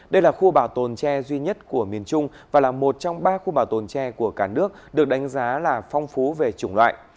đây là khu bảo tồn tre duy nhất của miền trung và là một trong ba khu bảo tồn tre của cả nước được đánh giá là phong phú về chủng loại